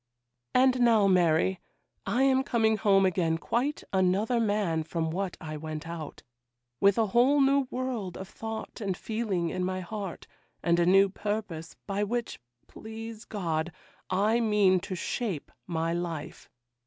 'And now, Mary, I am coming home again quite another man from what I went out; with a whole new world of thought and feeling in my heart, and a new purpose, by which, please God, I mean to shape my life.